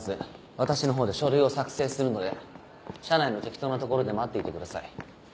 私の方で書類を作成するので社内の適当な所で待っていてください。